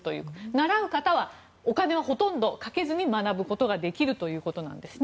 習う方はお金をほとんどかけずに学ぶことができるということです。